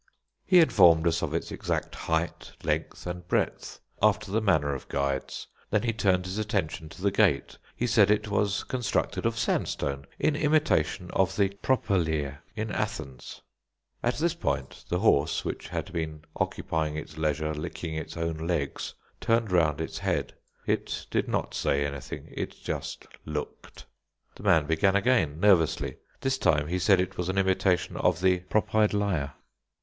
He informed us of its exact height, length, and breadth, after the manner of guides. Then he turned his attention to the Gate. He said it was constructed of sandstone, in imitation of the "Properleer" in Athens. At this point the horse, which had been occupying its leisure licking its own legs, turned round its head. It did not say anything, it just looked. The man began again nervously. This time he said it was an imitation of the "Propeyedliar."